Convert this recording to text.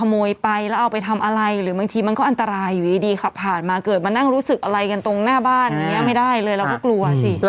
ไม่เป็นไรหรอกก็ใดที่สุดก็ซื้อมาแล้ว